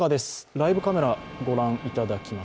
ライブカメラご覧いただきます。